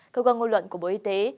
cơ quan ngôn luận của bộ y tế